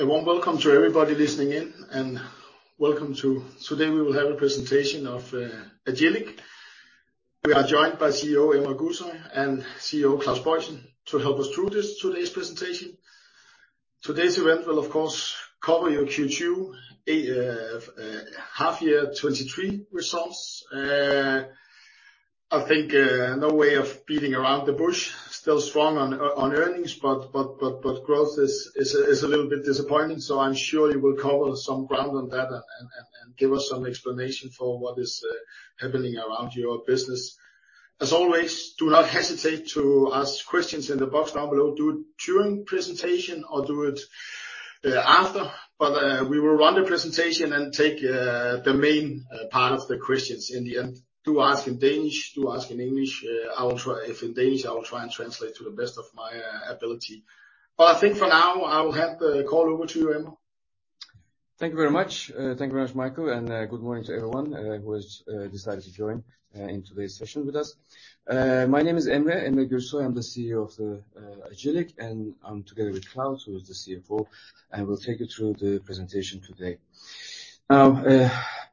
A warm welcome to everybody listening in, and welcome to today we will have a presentation of Agillic. We are joined by CEO, Emre Gürsoy, and CFO, Claus Boysen, to help us through this today's presentation. Today's event will, of course, cover your Q2 half year 2023 results. I think, no way of beating around the bush, still strong on earnings, but growth is a little bit disappointing, so I'm sure you will cover some ground on that and give us some explanation for what is happening around your business. As always, do not hesitate to ask questions in the box down below, do it during presentation or do it after. But we will run the presentation and take the main part of the questions in the end. Do ask in Danish, do ask in English. I will try. If in Danish, I will try and translate to the best of my ability. But I think for now, I will hand the call over to you, Emre. Thank you very much. Thank you very much, Michael, and good morning to everyone who has decided to join in today's session with us. My name is Emre, Emre Gürsoy. I'm the CEO of the Agillic, and I'm together with Claus, who is the CFO, and we'll take you through the presentation today. Now,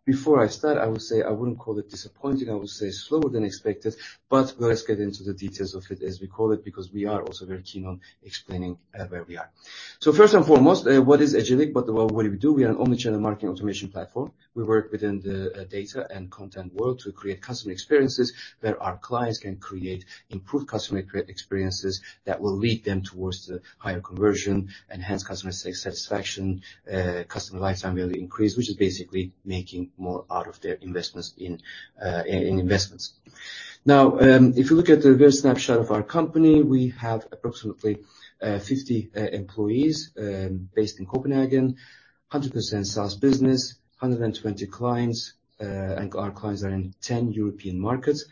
before I start, I will say I wouldn't call it disappointing, I would say slower than expected, but let's get into the details of it, as we call it, because we are also very keen on explaining where we are. So first and foremost, what is Agillic? But well, what do we do? We are an omnichannel marketing automation platform. We work within the data and content world to create customer experiences, where our clients can create improved customer experiences that will lead them towards the higher conversion, enhance customer satisfaction, customer lifetime value increase, which is basically making more out of their investments in investments. Now, if you look at the brief snapshot of our company, we have approximately 50 employees based in Copenhagen, 100% SaaS business, 120 clients, and our clients are in 10 European markets.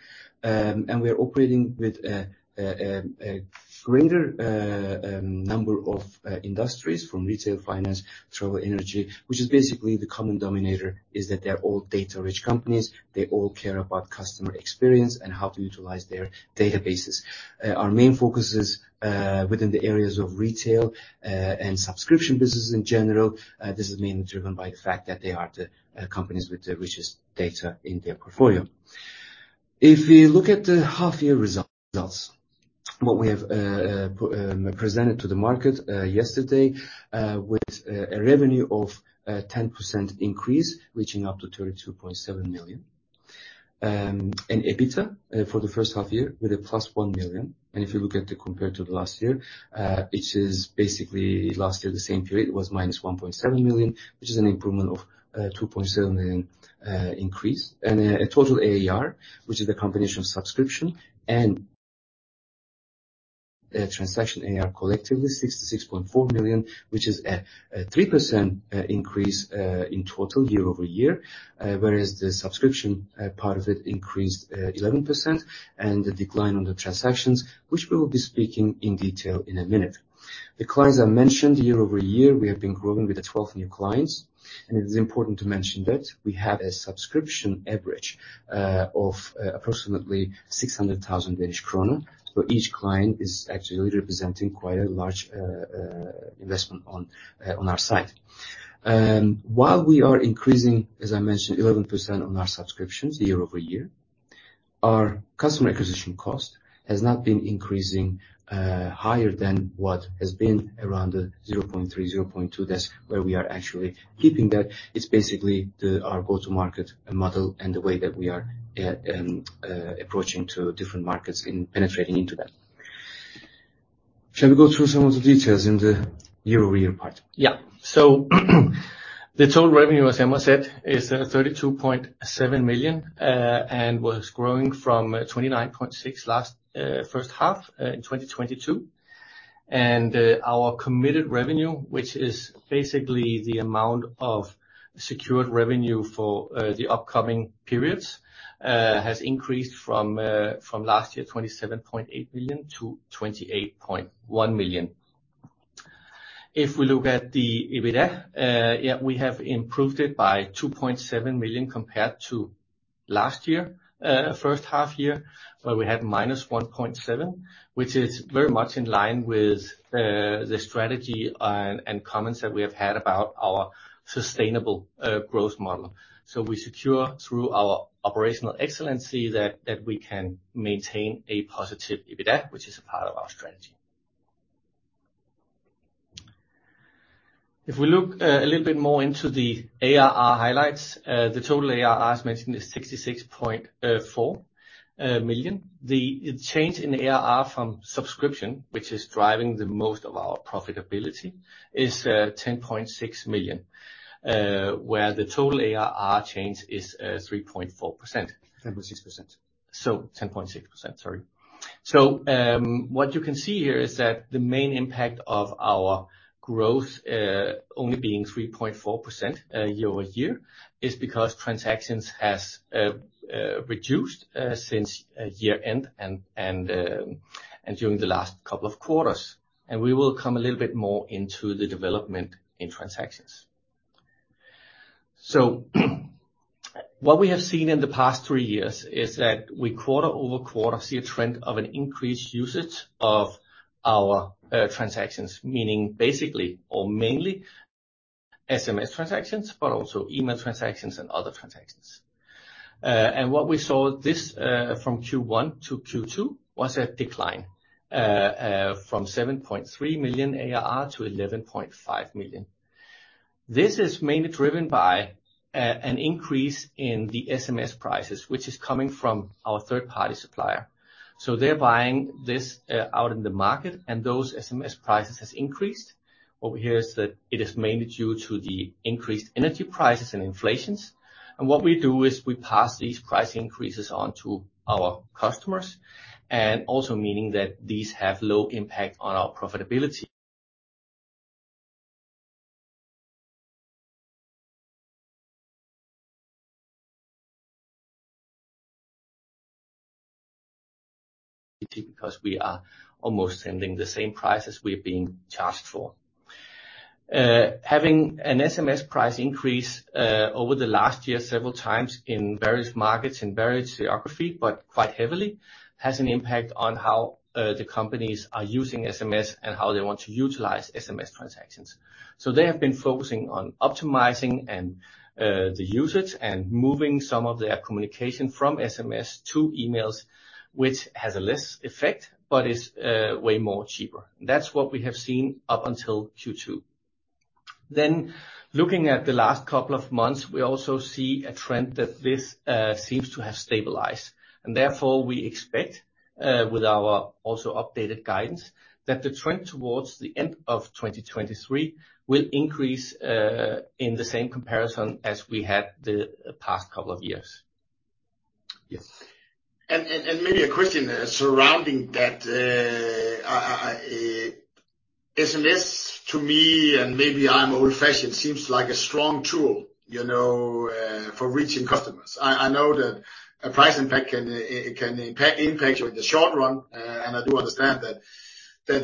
And we are operating with a greater number of industries from retail, finance, travel, energy, which is basically the common denominator is that they're all data-rich companies. They all care about customer experience and how to utilize their databases. Our main focus is within the areas of retail and subscription businesses in general. This is mainly driven by the fact that they are the companies with the richest data in their portfolio. If you look at the half-year results, what we have presented to the market yesterday, with a revenue of 10% increase, reaching up to 32.7 million. EBITDA for the first half-year with a +1 million, and if you look at compared to the last year, which is basically last year, the same period, it was -1.7 million, which is an improvement of 2.7 million increase. A total ARR, which is a combination of subscription and transaction ARR collectively 66.4 million, which is a 3% increase in total year-over-year. Whereas the subscription part of it increased 11%, and the decline on the transactions, which we will be speaking in detail in a minute. The clients I mentioned, year-over-year, we have been growing with the 12 new clients, and it is important to mention that we have a subscription average of approximately 600,000 Danish kroner, where each client is actually representing quite a large investment on our side. While we are increasing, as I mentioned, 11% on our subscriptions year-over-year, our customer acquisition cost has not been increasing higher than what has been around the 0.3, 0.2. That's where we are actually keeping that. It's basically our go-to-market model and the way that we are at approaching to different markets in penetrating into that. Shall we go through some of the details in the year-over-year part? Yeah. So the total revenue, as Emre said, is 32.7 million and was growing from 29.6 million last first half in 2022. Our committed revenue, which is basically the amount of secured revenue for the upcoming periods, has increased from last year 27.8 million to 28.1 million. If we look at the EBITDA, yeah, we have improved it by 2.7 million compared to last year first half-year, where we had -1.7 million, which is very much in line with the strategy and comments that we have had about our sustainable growth model. So we secure through our operational excellence that we can maintain a positive EBITDA, which is a part of our strategy. If we look, a little bit more into the ARR highlights, the total ARR, as mentioned, is 66.4 million. The change in ARR from subscription, which is driving the most of our profitability, is 10.6 million, where the total ARR change is 3.4%. 10.6%. So 10.6%, sorry. So, what you can see here is that the main impact of our growth only being 3.4% year-over-year is because transactions has reduced since year-end and during the last couple of quarters. And we will come a little bit more into the development in transactions.... So what we have seen in the past three years is that we quarter-over-quarter see a trend of an increased usage of our transactions. Meaning basically, or mainly SMS transactions, but also email transactions and other transactions. And what we saw this from Q1 to Q2 was a decline from 7.3 million ARR to 11.5 million. This is mainly driven by an increase in the SMS prices, which is coming from our third-party supplier. So they're buying this out in the market, and those SMS prices has increased. Over here is that it is mainly due to the increased energy prices and inflations. And what we do is we pass these price increases on to our customers, and also meaning that these have low impact on our profitability. Because we are almost sending the same prices we are being charged for. Having an SMS price increase over the last year, several times in various markets, in various geography, but quite heavily, has an impact on how the companies are using SMS and how they want to utilize SMS transactions. So they have been focusing on optimizing and, the usage and moving some of their communication from SMS to emails, which has a less effect, but is, way more cheaper. That's what we have seen up until Q2. Then, looking at the last couple of months, we also see a trend that this, seems to have stabilized, and therefore, we expect, with our also updated guidance, that the trend towards the end of 2023 will increase, in the same comparison as we had the past couple of years. Yes. And maybe a question surrounding that, SMS to me, and maybe I'm old-fashioned, seems like a strong tool, you know, for reaching customers. I know that a price impact can, it can impact you in the short run, and I do understand that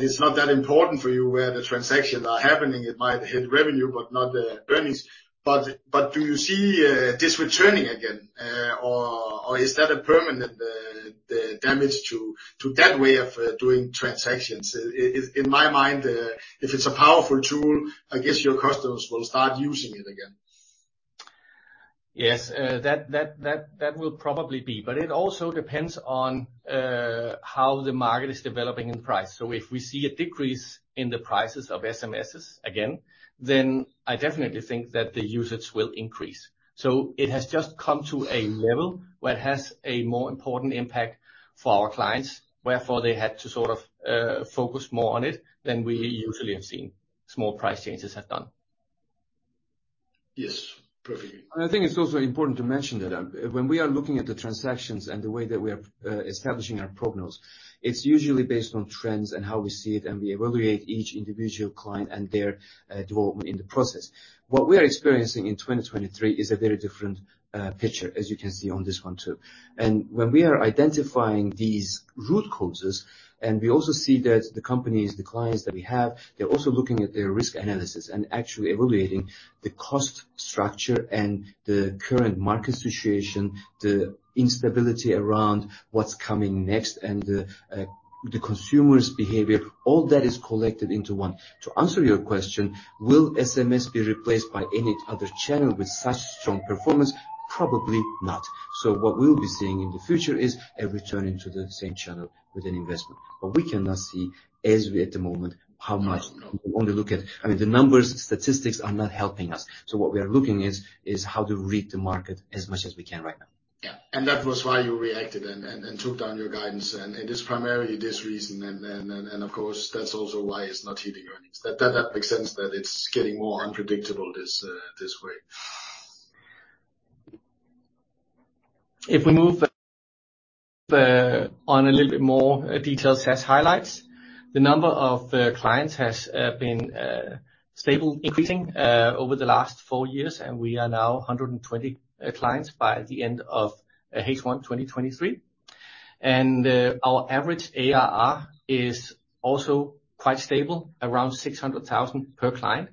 is not that important for you, where the transactions are happening. It might hit revenue, but not the earnings. But do you see this returning again? Or is that a permanent damage to that way of doing transactions? In my mind, if it's a powerful tool, I guess your customers will start using it again. Yes, that will probably be, but it also depends on how the market is developing in price. So if we see a decrease in the prices of SMSs again, then I definitely think that the usage will increase. So it has just come to a level where it has a more important impact for our clients, wherefore they had to sort of focus more on it than we usually have seen small price changes have done. Yes, perfectly. I think it's also important to mention that, when we are looking at the transactions and the way that we are establishing our prognosis, it's usually based on trends and how we see it, and we evaluate each individual client and their development in the process. What we are experiencing in 2023 is a very different picture, as you can see on this one, too. And when we are identifying these root causes, and we also see that the companies, the clients that we have, they're also looking at their risk analysis and actually evaluating the cost structure and the current market situation, the instability around what's coming next, and the consumer's behavior. All that is collected into one. To answer your question, will SMS be replaced by any other channel with such strong performance? Probably not. So what we'll be seeing in the future is a returning to the same channel with an investment. But we cannot see, as we at the moment, how much- Mm. I mean, the numbers, statistics are not helping us. So what we are looking is how to read the market as much as we can right now. Yeah, that was why you reacted and took down your guidance, and it is primarily this reason. Of course, that's also why it's not hitting earnings. That makes sense, that it's getting more unpredictable this way. If we move on a little bit more details as highlights, the number of clients has been stable, increasing over the last four years, and we are now 120 clients by the end of H1 2023. And our average ARR is also quite stable, around 600,000 per client.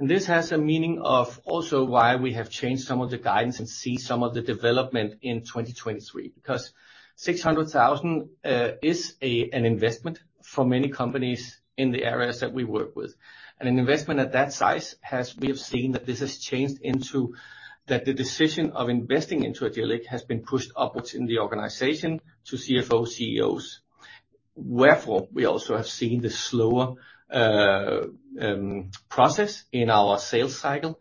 And this has a meaning of also why we have changed some of the guidance and see some of the development in 2023. Because 600,000 is an investment for many companies in the areas that we work with. And an investment at that size has we have seen that this has changed into, that the decision of investing into Agillic has been pushed upwards in the organization to CFO, CEOs. Therefore, we also have seen the slower process in our sales cycle,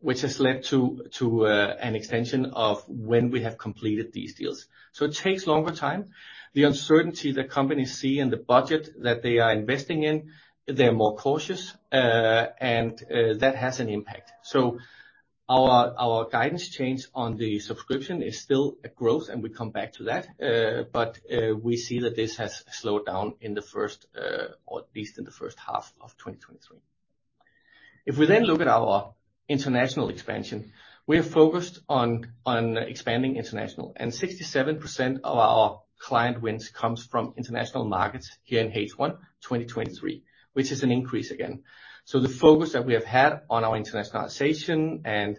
which has led to an extension of when we have completed these deals, so it takes longer time. The uncertainty that companies see and the budget that they are investing in, they're more cautious, and that has an impact. So our guidance change on the subscription is still a growth, and we come back to that, but we see that this has slowed down in the first, or at least in the first half of 2023. If we then look at our international expansion, we are focused on expanding international, and 67% of our client wins comes from international markets here in H1 2023, which is an increase again. So the focus that we have had on our internationalization and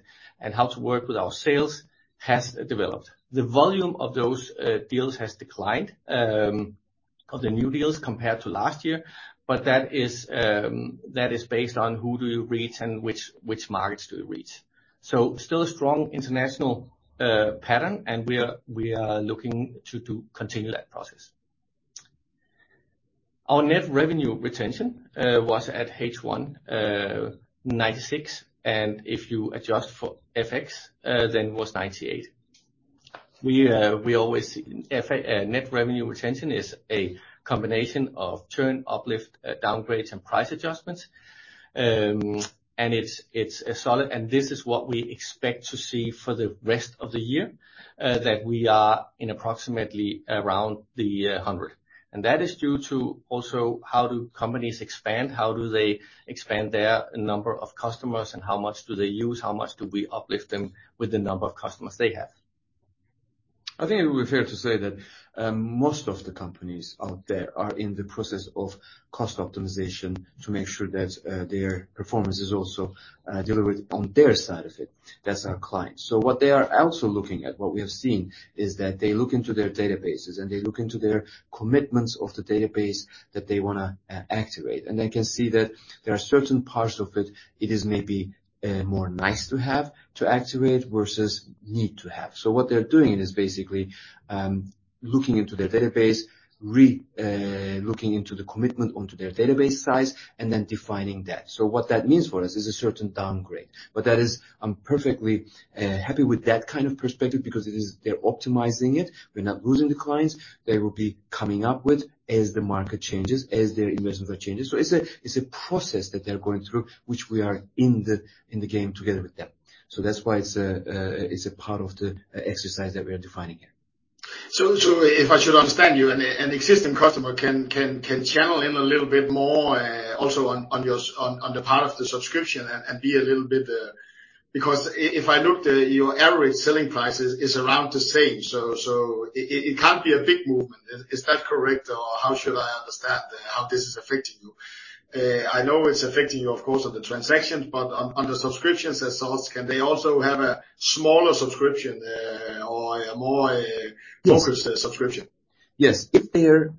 how to work with our sales has developed. The volume of those deals has declined of the new deals compared to last year, but that is based on who do you reach and which markets do you reach. So still a strong international pattern, and we are looking to continue that process. Our Net Revenue Retention was at H1 96, and if you adjust for FX, then it was 98. We always see Net Revenue Retention is a combination of churn, uplift, downgrades, and price adjustments. And it's a solid, and this is what we expect to see for the rest of the year, that we are in approximately around the 100. That is due to also how do companies expand, how do they expand their number of customers, and how much do they use, how much do we uplift them with the number of customers they have? I think it would be fair to say that most of the companies out there are in the process of cost optimization to make sure that their performance is also delivered on their side of it. That's our clients. So what they are also looking at, what we have seen, is that they look into their databases, and they look into their commitments of the database that they wanna activate, and they can see that there are certain parts of it, it is maybe more nice to have to activate versus need to have. So what they're doing is basically looking into their database, re-looking into the commitment onto their database size, and then defining that. So what that means for us is a certain downgrade, but that is... I'm perfectly happy with that kind of perspective because it is, they're optimizing it. We're not losing the clients. They will be coming up with as the market changes, as their investment changes. So it's a process that they're going through, which we are in the game together with them. So that's why it's a part of the exercise that we are defining here. So if I should understand you, an existing customer can channel in a little bit more, also on your on the part of the subscription and be a little bit... Because if I look at your average selling price is around the same, so it can't be a big movement. Is that correct, or how should I understand how this is affecting you? I know it's affecting you, of course, on the transactions, but on the subscriptions as well, can they also have a smaller subscription or a more Yes. Focused subscription? Yes. If they're...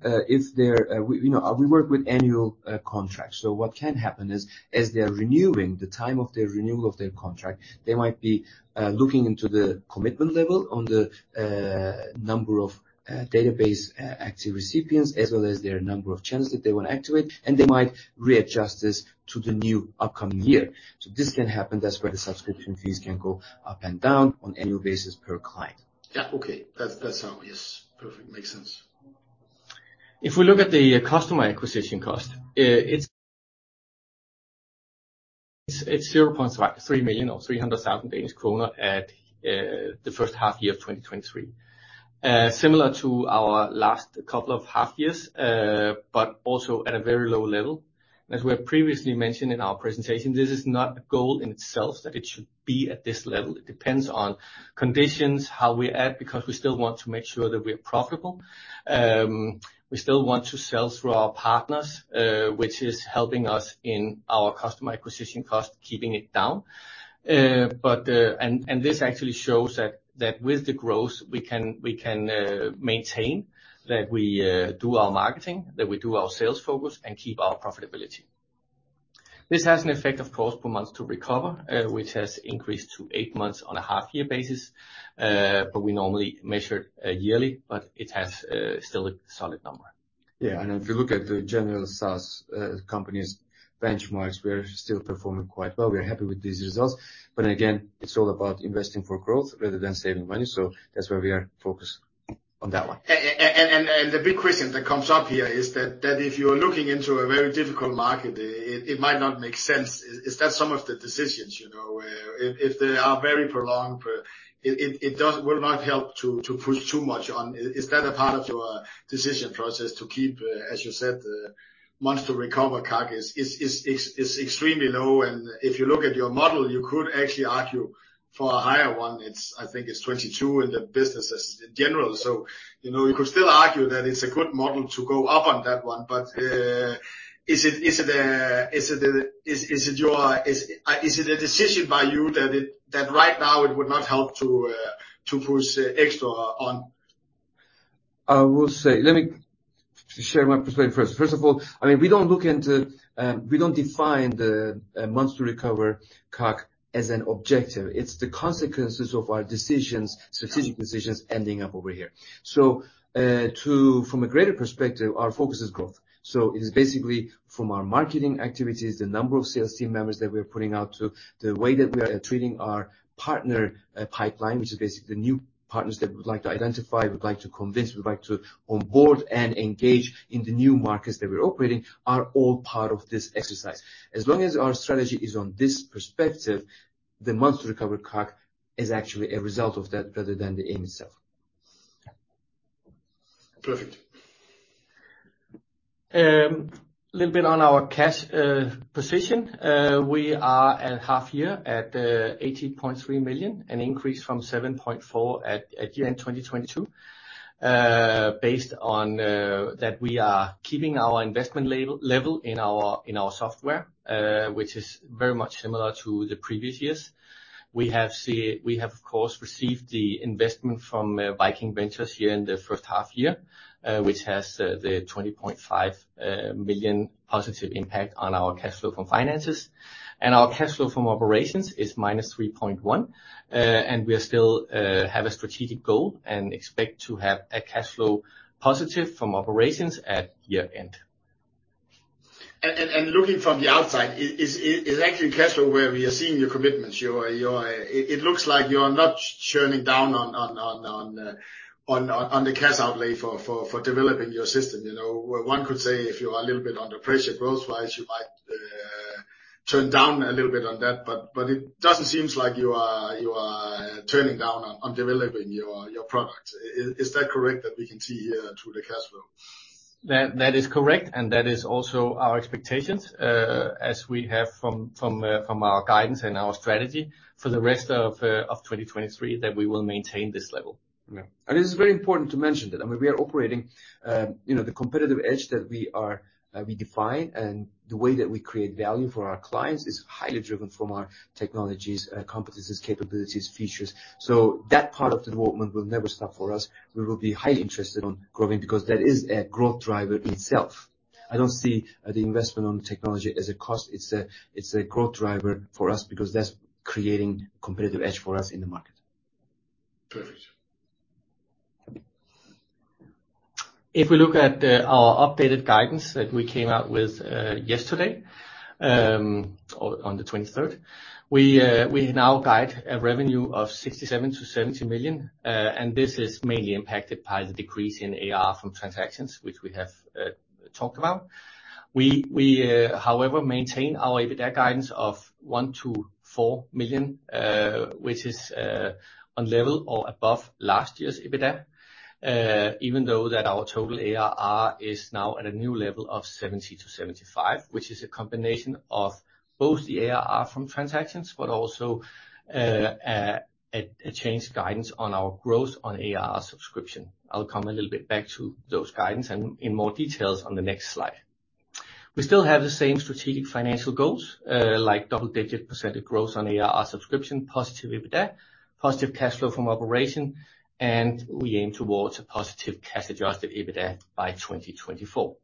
We, you know, we work with annual contracts, so what can happen is, as they are renewing, the time of their renewal of their contract, they might be looking into the commitment level on the number of database active recipients, as well as their number of channels that they want to activate, and they might readjust this to the new upcoming year. So this can happen. That's where the subscription fees can go up and down on annual basis per client. Yeah. Okay. That sounds, yes, perfect. Makes sense. If we look at the customer acquisition cost, it's 0.3 million, or 300,000 Danish kroner at the first half year of 2023. Similar to our last couple of half years, but also at a very low level. As we have previously mentioned in our presentation, this is not a goal in itself, that it should be at this level. It depends on conditions, how we're at, because we still want to make sure that we are profitable. We still want to sell through our partners, which is helping us in our customer acquisition cost, keeping it down. This actually shows that with the growth, we can maintain that we do our marketing, that we do our sales focus and keep our profitability. This has an effect, of course, per month to recover, which has increased to eight months on a half year basis, but we normally measure yearly, but it has still a solid number. Yeah, and if you look at the general SaaS companies benchmarks, we are still performing quite well. We're happy with these results. But again, it's all about investing for growth rather than saving money. So that's where we are focused on that one. And the big question that comes up here is that if you are looking into a very difficult market, it might not make sense. Is that some of the decisions, you know, if they are very prolonged, it will not help to push too much on... Is that a part of your decision process to keep, as you said, months to recover? CAC is extremely low, and if you look at your model, you could actually argue for a higher one. I think it's 22 in the businesses in general. You know, you could still argue that it's a good model to go up on that one, but, is it a decision by you that it, that right now it would not help to push extra on? I will say... Let me share my perspective first. First of all, I mean, we don't look into, we don't define the months to recover CAC as an objective. It's the consequences of our decisions, strategic decisions ending up over here. So, from a greater perspective, our focus is growth. So it is basically from our marketing activities, the number of sales team members that we are putting out to, the way that we are treating our partner pipeline, which is basically the new partners that we would like to identify, we'd like to convince, we'd like to onboard and engage in the new markets that we're operating, are all part of this exercise. As long as our strategy is on this perspective, the months to recover CAC is actually a result of that rather than the aim itself.... Perfect. A little bit on our cash position. We are at half year at 80.3 million, an increase from 7.4 million at year-end 2022. Based on that we are keeping our investment level in our software, which is very much similar to the previous years. We have, of course, received the investment from Viking Venture here in the first half year, which has the 20.5 million positive impact on our cash flow from finances. Our cash flow from operations is -3.1 million DKK. We are still have a strategic goal and expect to have a cash flow positive from operations at year-end. Looking from the outside, is actually cash flow where we are seeing your commitments. It looks like you are not churning down on the cash outlay for developing your system. You know, where one could say, if you are a little bit under pressure growth-wise, you might turn down a little bit on that, but it doesn't seem like you are turning down on developing your product. Is that correct, that we can see here through the cash flow? That is correct, and that is also our expectations as we have from our guidance and our strategy for the rest of 2023, that we will maintain this level. Yeah. This is very important to mention that, I mean, we are operating, you know, the competitive edge that we are, we define, and the way that we create value for our clients is highly driven from our technologies, competencies, capabilities, features. That part of the development will never stop for us. We will be highly interested on growing because that is a growth driver in itself. I don't see the investment on the technology as a cost. It's a growth driver for us because that's creating competitive edge for us in the market. Perfect. If we look at our updated guidance that we came out with yesterday on the 23rd, we now guide a revenue of 67-70 million, and this is mainly impacted by the decrease in ARR from transactions, which we have talked about. We however maintain our EBITDA guidance of 1-4 million, which is on level or above last year's EBITDA. Even though that our total ARR is now at a new level of 70-75 million, which is a combination of both the ARR from transactions, but also a changed guidance on our growth on ARR subscription. I'll come a little bit back to those guidance and in more details on the next slide. We still have the same strategic financial goals, like double-digit % growth on ARR subscription, positive EBITDA, positive cash flow from operation, and we aim towards a positive cash-adjusted EBITDA by 2024.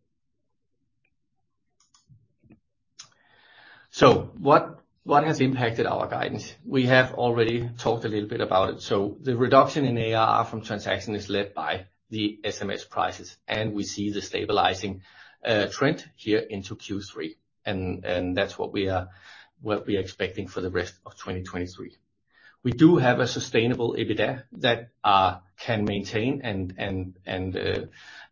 So what has impacted our guidance? We have already talked a little bit about it. So the reduction in ARR from transaction is led by the SMS prices, and we see the stabilizing trend here into Q3. And that's what we are expecting for the rest of 2023. We do have a sustainable EBITDA that can maintain and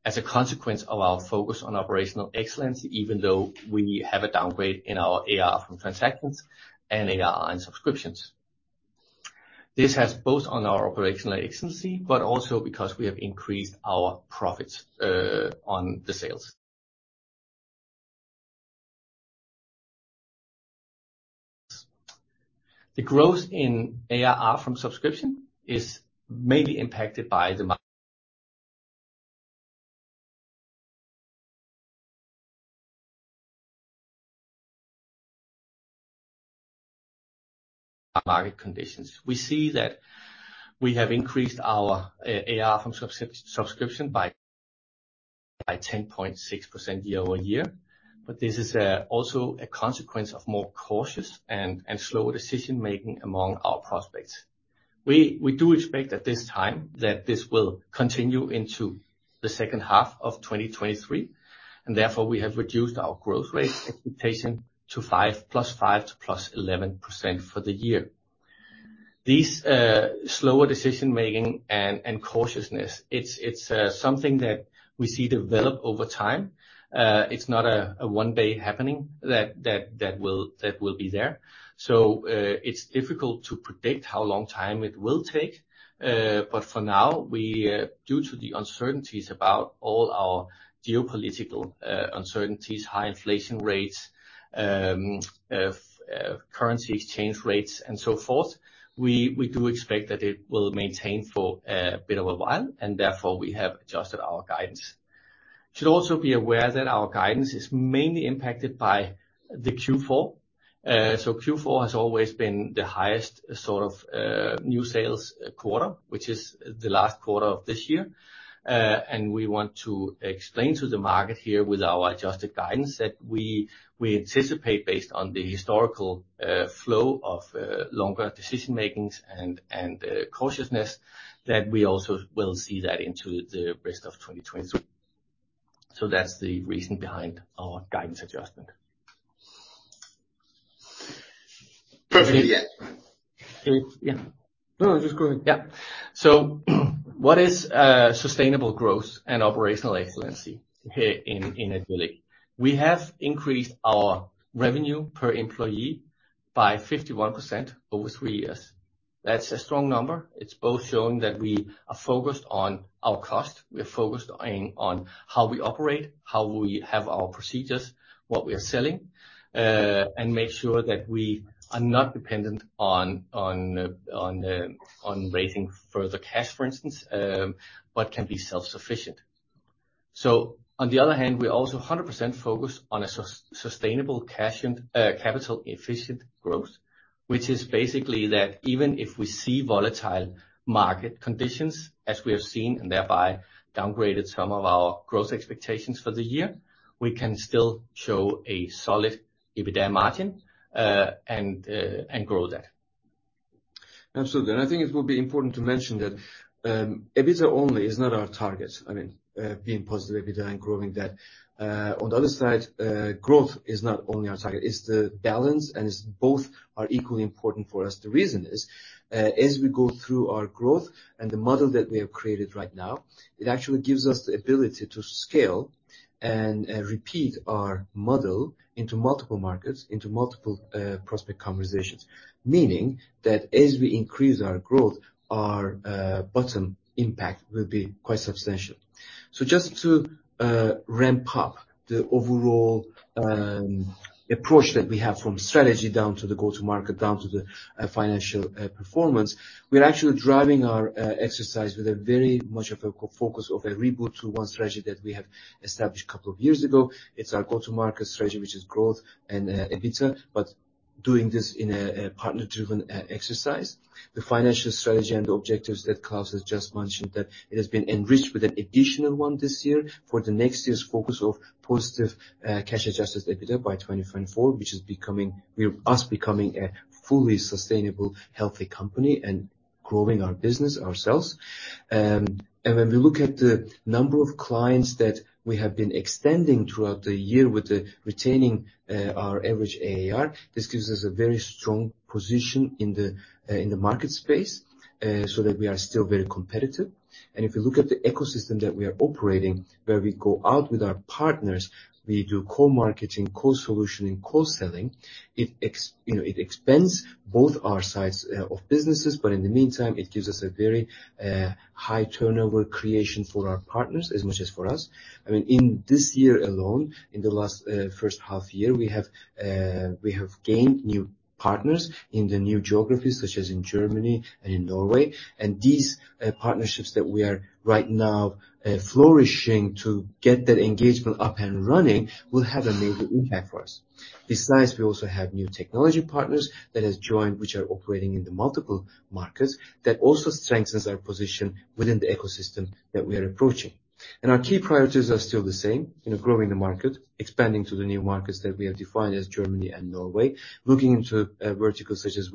as a consequence of our focus on operational excellence, even though we have a downgrade in our AR from transactions and ARR in subscriptions. This has both on our operational excellence, but also because we have increased our profits on the sales. The growth in ARR from subscription is mainly impacted by the market conditions. We see that we have increased our ARR from subscription by 10.6% year-over-year, but this is also a consequence of more cautious and slower decision-making among our prospects. We do expect at this time that this will continue into the second half of 2023, and therefore, we have reduced our growth rate expectation to plus 5% to plus 11% for the year. These slower decision-making and cautiousness, it's something that we see develop over time. It's not a one-day happening that will be there. So, it's difficult to predict how long time it will take. But for now, we, due to the uncertainties about all our geopolitical uncertainties, high inflation rates, currency exchange rates, and so forth, we, we do expect that it will maintain for a bit of a while, and therefore, we have adjusted our guidance. Should also be aware that our guidance is mainly impacted by the Q4. So Q4 has always been the highest sort of new sales quarter, which is the last quarter of this year. And we want to explain to the market here with our adjusted guidance that we, we anticipate based on the historical flow of longer decision-makings and, and cautiousness, that we also will see that into the rest of 2023. So that's the reason behind our guidance adjustment. Perfect. Yeah. No, just go ahead. Yeah. So what is sustainable growth and operational excellence here in Agillic? We have increased our revenue per employee by 51% over three years. That's a strong number. It's both showing that we are focused on our cost, we are focused on how we operate, how we have our procedures, what we are selling, and make sure that we are not dependent on raising further cash, for instance, but can be self-sufficient. So on the other hand, we're also 100% focused on a sustainable cash and capital efficient growth, which is basically that even if we see volatile market conditions, as we have seen, and thereby downgraded some of our growth expectations for the year, we can still show a solid EBITDA margin, and grow that. Absolutely. I think it will be important to mention that, EBITDA only is not our target. I mean, being positive EBITDA and growing that. On the other side, growth is not only our target, it's the balance, and it's both are equally important for us. The reason is, as we go through our growth and the model that we have created right now, it actually gives us the ability to scale and repeat our model into multiple markets, into multiple prospect conversations. Meaning that as we increase our growth, our bottom impact will be quite substantial. So just to ramp up the overall approach that we have from strategy down to the go-to-market, down to the financial performance, we are actually driving our exercise with a very much of a co-focus of a Reboot 2.1 strategy that we have established a couple of years ago. It's our go-to-market strategy, which is growth and EBITDA, but doing this in a partner-driven exercise. The financial strategy and the objectives that Claus has just mentioned, that it has been enriched with an additional one this year for the next year's focus of positive cash-adjusted EBITDA by 2024, which is us becoming a fully sustainable, healthy company and growing our business ourselves. And when we look at the number of clients that we have been extending throughout the year with the retaining our average ARR, this gives us a very strong position in the market space, so that we are still very competitive. And if you look at the ecosystem that we are operating, where we go out with our partners, we do co-marketing, co-solution, and co-selling. It you know, it expands both our sides of businesses, but in the meantime, it gives us a very high turnover creation for our partners as much as for us. I mean, in this year alone, in the first half year, we have gained new partners in the new geographies, such as in Germany and in Norway. And these partnerships that we are right now flourishing to get that engagement up and running will have a major impact for us. Besides, we also have new technology partners that has joined, which are operating in the multiple markets. That also strengthens our position within the ecosystem that we are approaching. And our key priorities are still the same, you know, growing the market, expanding to the new markets that we have defined as Germany and Norway. Looking into verticals such as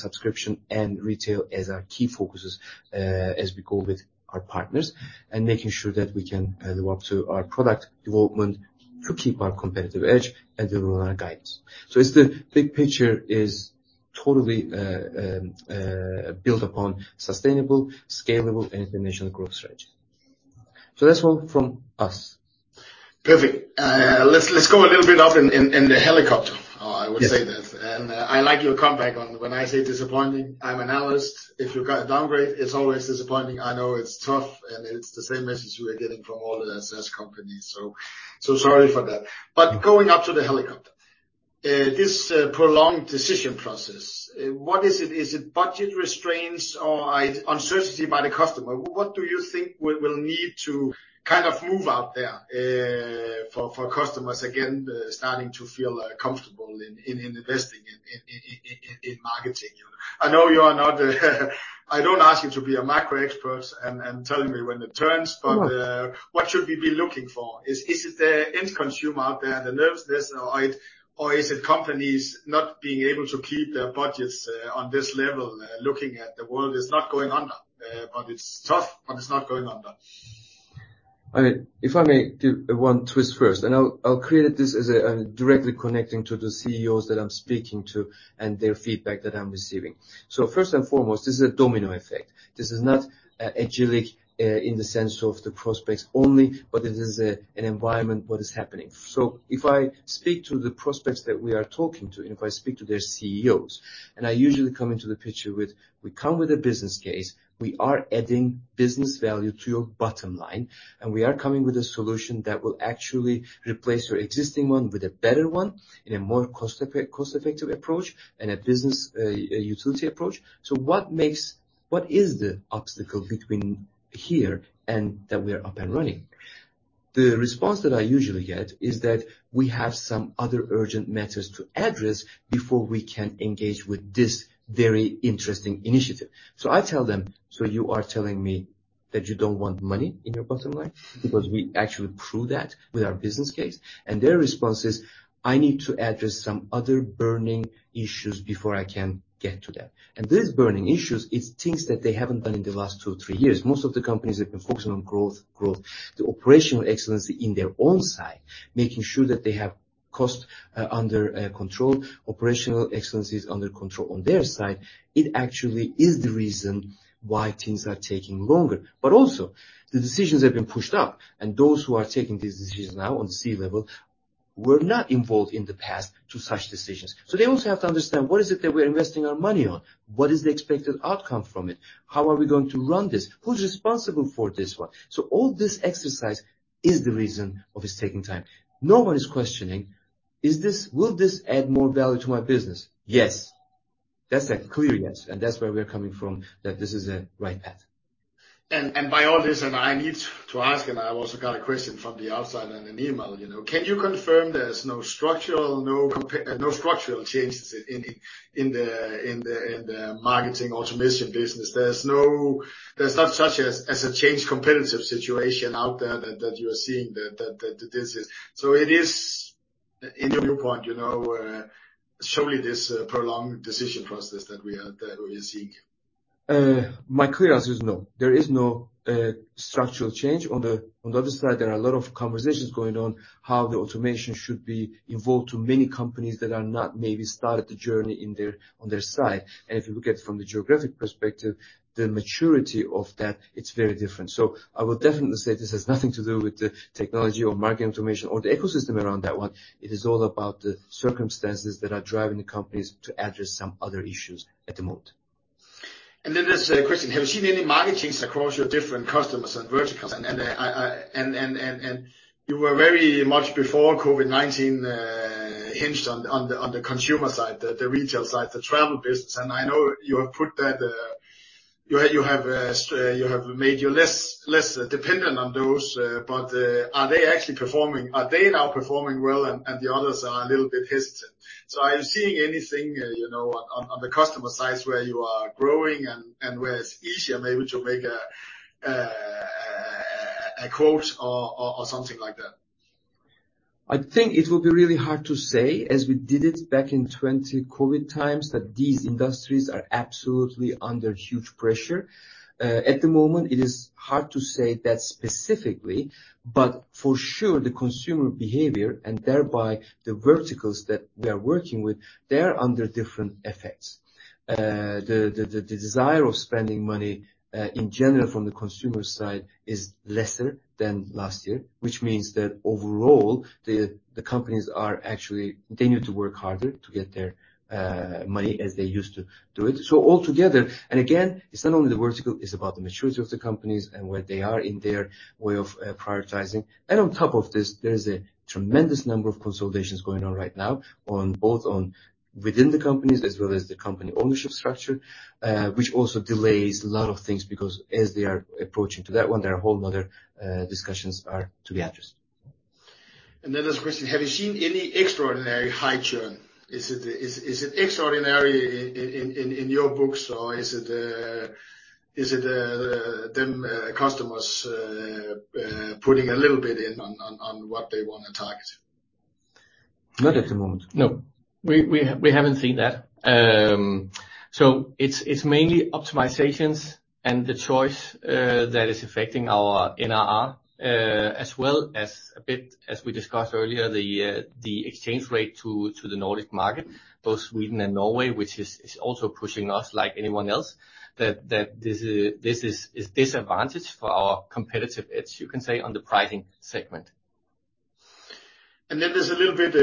subscription and retail as our key focuses, as we go with our partners, and making sure that we can live up to our product development to keep our competitive edge and deliver on our guides. So it's the big picture is totally built upon sustainable, scalable, and intentional growth strategy. So that's all from us. Perfect. Let's go a little bit up in the helicopter. I would say that. Yes. I like your comeback on when I say disappointing. I'm an analyst. If you've got a downgrade, it's always disappointing. I know it's tough, and it's the same message we are getting from all the SaaS companies, so sorry for that. But going up to the helicopter, this prolonged decision process, what is it? Is it budget restraints or uncertainty by the customer? What do you think we'll need to kind of move out there for customers again starting to feel comfortable investing in marketing? I know you are not. I don't ask you to be a macro expert and telling me when it turns- Right. But, what should we be looking for? Is it the end consumer out there and the nervousness, or, or is it companies not being able to keep their budgets on this level? Looking at the world is not going under, but it's tough, but it's not going under. I mean, if I may give one twist first, and I'll create this as a directly connecting to the CEOs that I'm speaking to and their feedback that I'm receiving. So first and foremost, this is a domino effect. This is not Agillic in the sense of the prospects only, but it is a an environment what is happening. So if I speak to the prospects that we are talking to, and if I speak to their CEOs, and I usually come into the picture with: "We come with a business case, we are adding business value to your bottom line, and we are coming with a solution that will actually replace your existing one with a better one in a more cost-effective approach and a business utility approach. So what makes... What is the obstacle between here and that we are up and running?" The response that I usually get is that we have some other urgent matters to address before we can engage with this very interesting initiative. So I tell them, "So you are telling me that you don't want money in your bottom line? Because we actually prove that with our business case." And their response is: "I need to address some other burning issues before I can get to that." And these burning issues, it's things that they haven't done in the last two or three years. Most of the companies have been focusing on growth, growth, the operational excellence in their own side, making sure that they have costs under control, operational excellence is under control on their side. It actually is the reason why things are taking longer. But also, the decisions have been pushed up, and those who are taking these decisions now on the C level were not involved in the past to such decisions. So they also have to understand what is it that we're investing our money on? What is the expected outcome from it? How are we going to run this? Who's responsible for this one? So all this exercise is the reason of it's taking time. No one is questioning, is this will this add more value to my business? Yes. That's a clear yes, and that's where we're coming from, that this is a right path. By all this, I need to ask. I also got a question from the outside on an email, you know. Can you confirm there's no structural changes in the marketing automation business? There's no such as a changed competitive situation out there that this is. So it is in your viewpoint, you know, solely this prolonged decision process that we are seeing. My clear answer is no. There is no structural change. On the other side, there are a lot of conversations going on, how the automation should be involved to many companies that are not maybe started the journey on their side. And if you look at from the geographic perspective, the maturity of that, it's very different. So I would definitely say this has nothing to do with the technology or market information or the ecosystem around that one. It is all about the circumstances that are driving the companies to address some other issues at the moment. And then there's a question: Have you seen any market changes across your different customers and verticals? And I and you were very much before COVID-19 hinged on the consumer side, the retail side, the travel business. And I know you have put that. You have you have made you less less dependent on those, but are they actually performing? Are they now performing well and the others are a little bit hesitant? So are you seeing anything, you know, on the customer side where you are growing and where it's easier maybe to make a quote or something like that? I think it will be really hard to say, as we did it back in 2020 COVID times, that these industries are absolutely under huge pressure. At the moment, it is hard to say that specifically, but for sure, the consumer behavior and thereby the verticals that we are working with, they are under different effects. The desire of spending money, in general from the consumer side is lesser than last year, which means that overall, the companies are actually... They need to work harder to get their, money as they used to do it. So altogether, and again, it's not only the vertical, it's about the maturity of the companies and where they are in their way of, prioritizing. On top of this, there's a tremendous number of consolidations going on right now on both within the companies as well as the company ownership structure, which also delays a lot of things, because as they are approaching to that one, there are a whole other discussions are to be addressed. Then there's a question: Have you seen any extraordinary high churn? Is it extraordinary in your books, or is it them customers putting a little bit in on what they wanna target? Not at the moment. No, we haven't seen that. So it's mainly optimizations and the choice that is affecting our NRR, as well as a bit as we discussed earlier, the exchange rate to the Nordic market, both Sweden and Norway, which is also pushing us like anyone else, that this is a disadvantage for our competitive edge, you can say, on the pricing segment. Then there's a little bit,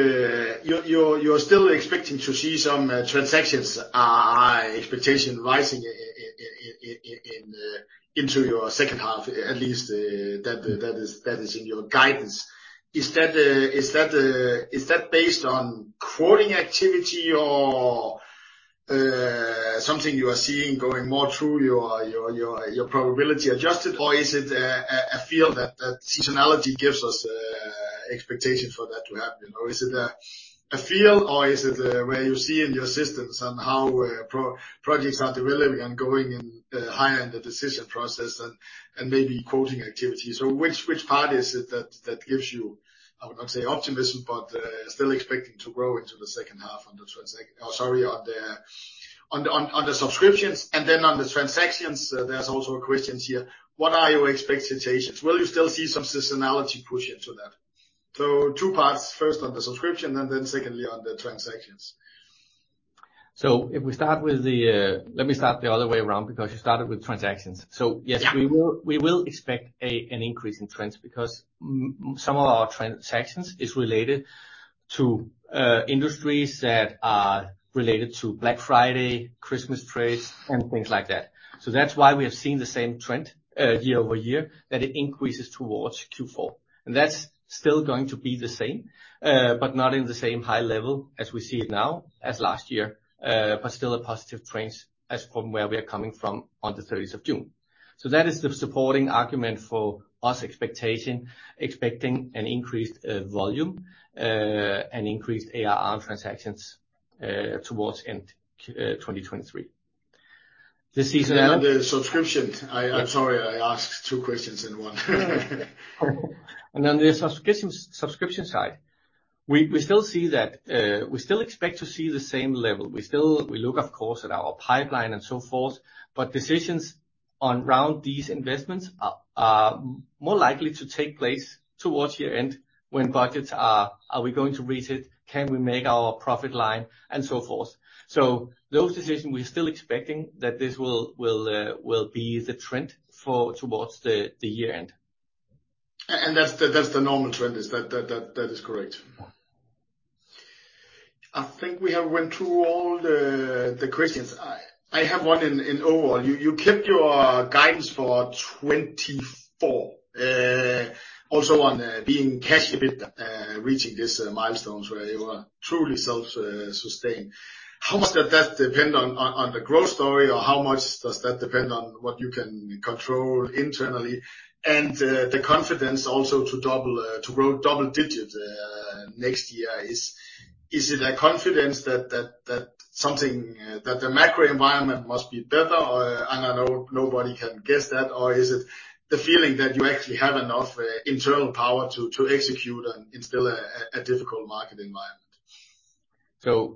you're still expecting to see some transactions, expectation rising in into your second half, at least, that is in your guidance. Is that based on quoting activity or something you are seeing going more through your probability adjusted? Or is it a feel that seasonality gives us expectation for that to happen? Or is it a feel, or is it where you see in your systems on how projects are developing and going in higher in the decision process and maybe quoting activities? So which part is it that gives you, I would not say optimism, but still expecting to grow into the second half on the subscriptions and then on the transactions, there's also a question here: What are your expectations? Will you still see some seasonality push into that? So two parts, first on the subscription and then secondly on the transactions. So if we start with the... Let me start the other way around, because you started with transactions. So yes- Yeah. We will expect an increase in trends because some of our transactions is related to industries that are related to Black Friday, Christmas trades, and things like that. So that's why we have seen the same trend year-over-year, that it increases towards Q4. And that's still going to be the same, but not in the same high level as we see it now as last year, but still a positive trend as from where we are coming from on the thirtieth of June. So that is the supporting argument for us expectation, expecting an increased volume, and increased ARR transactions towards end 2023. The season- The subscription. I'm sorry, I asked two questions in one. And then the subscription side, we still see that we still expect to see the same level. We still look, of course, at our pipeline and so forth, but decisions on around these investments are more likely to take place towards year-end, when budgets are: Are we going to reach it? Can we make our profit line? And so forth. So those decisions, we're still expecting that this will be the trend for towards the year-end. That's the normal trend, is that correct? I think we have went through all the questions. I have one in overall. You kept your guidance for 2024, also on being cash EBITDA, reaching this milestones where you are truly self-sustained. How much does that depend on the growth story, or how much does that depend on what you can control internally? And the confidence also to double, to grow double digits next year, is it a confidence that something that the macro environment must be better, or, I know nobody can guess that, or is it the feeling that you actually have enough internal power to execute on in still a difficult market environment?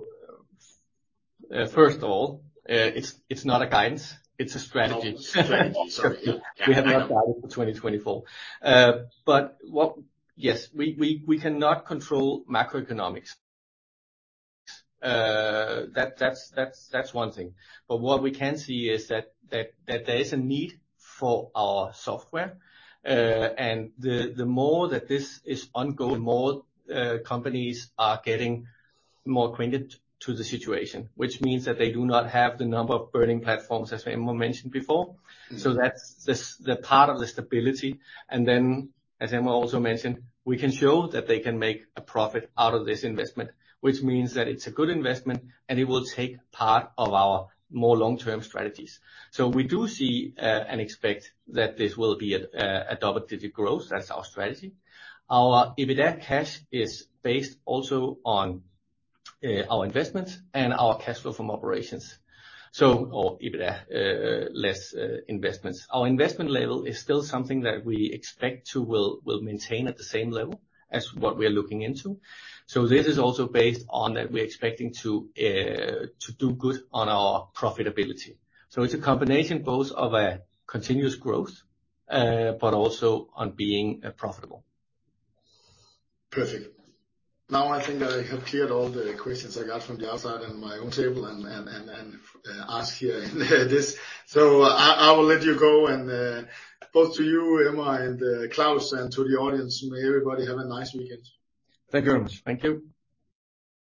First of all, it's not a guidance, it's a strategy. Strategy, sorry. Yeah. We have not guided for 2024. But what... Yes, we cannot control macroeconomics. That's one thing. But what we can see is that there is a need for our software. And the more that this is ongoing, the more companies are getting more acquainted to the situation, which means that they do not have the number of burning platforms, as Emre mentioned before. So that's the part of the stability. And then, as Emre also mentioned, we can show that they can make a profit out of this investment, which means that it's a good investment, and it will take part of our more long-term strategies. So we do see and expect that this will be a double-digit growth. That's our strategy. Our EBITDA cash is based also on our investments and our cash flow from operations. So, our EBITDA less investments. Our investment level is still something that we expect will maintain at the same level as what we are looking into. This is also based on that we're expecting to do good on our profitability. It's a combination both of a continuous growth, but also on being profitable. Perfect. Now, I think I have cleared all the questions I got from the outside and my own table and ask here this. So I will let you go, and both to you, Emre, and Claus, and to the audience, may everybody have a nice weekend. Thank you very much. Thank you.